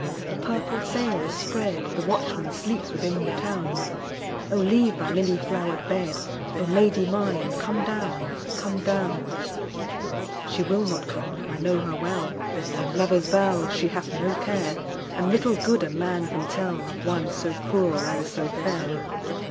the purple sail is spread, The watchman sleeps within the town,O leave thy lily flowered bed,O Lady mine come down, come down! She will not come, I know her well, Of lover's vows she hath no care, And little good a man can tellOf one so cruel and so fair.